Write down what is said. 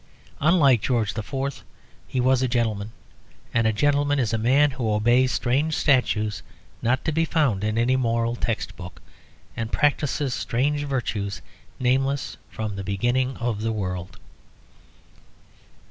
Unlike George IV. he was a gentleman, and a gentleman is a man who obeys strange statutes, not to be found in any moral text book, and practises strange virtues nameless from the beginning of the world.